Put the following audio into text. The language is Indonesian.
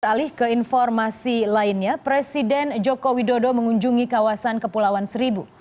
alih ke informasi lainnya presiden jokowi dodo mengunjungi kawasan kepulauan seribu